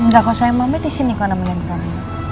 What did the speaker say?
gak usah emang berdisi nih kena menentang